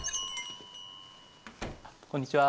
こんにちは。